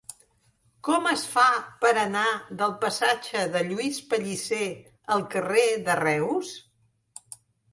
Com es fa per anar del passatge de Lluís Pellicer al carrer de Reus?